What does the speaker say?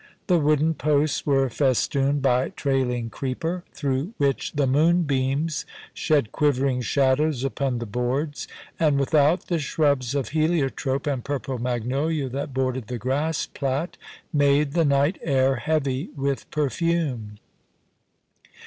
The wooden posts were festooned by trailing creeper, through which the moonbeams shed quivering shadows upon the boards ; and without, the shrubs of heliotrope and purple magnolia that bordered the grass plat made the night air heavy with perfume.